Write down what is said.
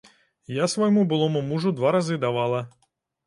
Я свайму былому мужу два разы давала.